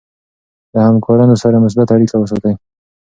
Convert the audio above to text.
له همکارانو سره مثبت اړیکه وساتئ.